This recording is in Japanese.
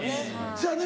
せやね